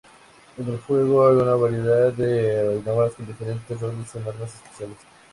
En el juego, hay una variedad de aeronaves con diferentes roles y armas especiales.